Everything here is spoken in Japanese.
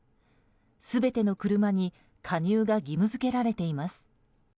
全ての車に加入が義務付けられています。